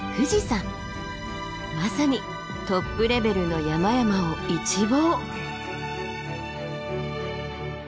まさにトップレベルの山々を一望。